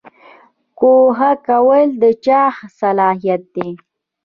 ګوښه کول د چا صلاحیت دی؟